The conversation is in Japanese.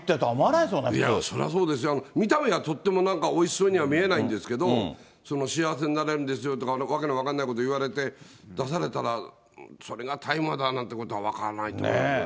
いや、そらそうですよ、見た目はとってもなんか、おいしそうには見えないんですけど、幸せになるんですよとか、わけの分かんないこと言われて出されたら、それが大麻だなんていうことは分かんないと思う。